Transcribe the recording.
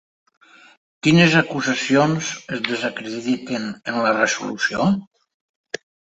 Quines acusacions es desacrediten en la resolució?